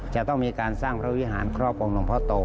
จะต้องมีการสร้างพระวิหารครอบองค์หลวงพ่อโต